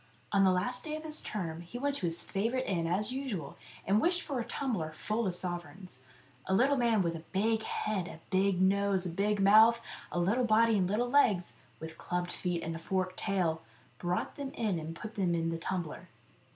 On the last day of his term he went to his favourite inn as usual and wished for a tumbler full of sovereigns. A little man with a big head, a big nose, and big mouth, a little body, and little legs, with clubbed feet and a forked tail, brought them in and put them in the tumbler.